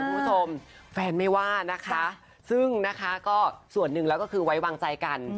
แฟนไม่ว่านะคะซึ่งนะคะก็ส่วนหนึ่งแล้วก็คือไว้วางใจกัน